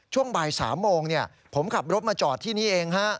ช่วงบ่าย๓โมงผมขับรถมาจอดที่นี่เอง